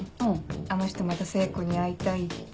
あの人また聖子に会いたいって。